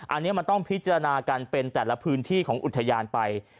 อันนี้มันต้องพิจารณากันเป็นแต่ละพื้นที่ของอุทยานไป